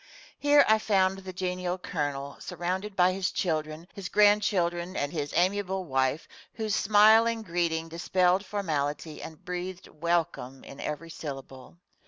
Here I found the genial Colonel, surrounded by his children, his grandchildren, and his amiable wife, whose smiling greeting dispelled formality and breathed "Welcome" in every syllable.